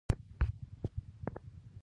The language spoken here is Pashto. تر لرې واټنونو به خلک پلی تلل په پښتو ژبه.